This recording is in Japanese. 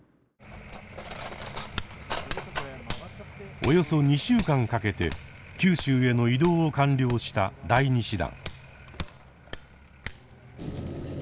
およそ２週間かけて九州への移動を完了した第２師団。